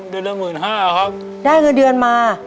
เดือนละหมื่นห้าครับได้เงินเดือนมา